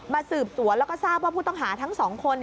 มาสืบตัวแล้วก็ทราบว่าผู้ต้องหาทั้ง๒คน